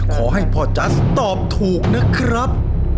ขอให้พ่อจัสตอบถูกนะครับ